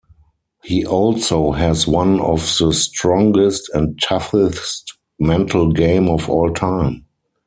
He also has one of the strongest and toughest mental game of all time.